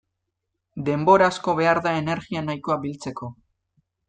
Denbora asko behar da energia nahikoa biltzeko.